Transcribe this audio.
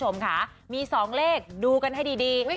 มีสองเลขดูให้ดี